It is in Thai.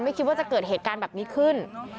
คิดว่าจะเกิดเหตุการณ์แบบนี้ขึ้น